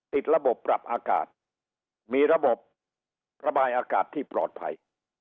ติดระบบปรับอากาศมีระบบระบายอากาศที่ปลอดภัย